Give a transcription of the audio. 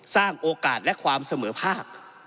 สร้างโอกาสและความเสมอภาค